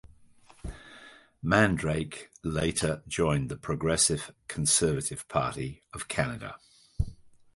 Mandrake later joined the Progressive Conservative Party of Canada.